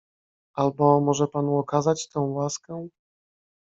"Albo może panu okazać tę łaskę?"